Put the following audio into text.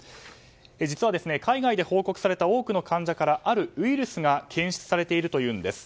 実は海外で報告された多くの患者からあるウイルスが検出されているというんです。